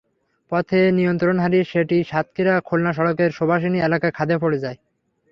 পথে নিয়ন্ত্রণ হারিয়ে সেটি সাতক্ষীরা-খুলনা সড়কের শুভাষিণী এলাকায় খাদে পড়ে যায়।